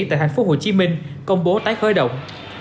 tại thành phố hồ chí minh công bố tái khởi động